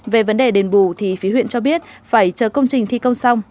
về vấn đề đền bù thì phía huyện cho biết phải chờ công trình thi công xong